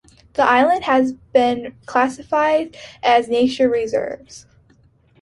The islands have been classified as nature reserves.